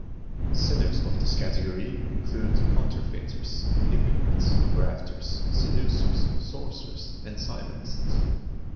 Sinners of this category include counterfeiters, hypocrites, grafters, seducers, sorcerers and simonists.